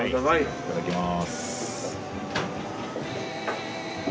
いただきます。